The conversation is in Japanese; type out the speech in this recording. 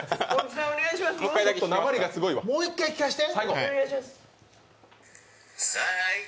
もう一回聞かせて。